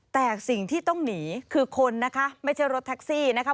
แต่สิ่งที่ต้องหนีคือคนนะคะไม่ใช่รถแท็กซี่นะคะ